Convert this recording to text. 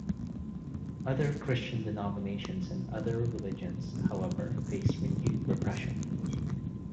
Other Christian denominations and other religions, however, faced renewed repression.